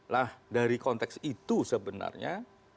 nah dari konteks itu sebenarnya